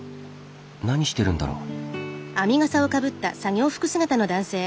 何してるんだろう？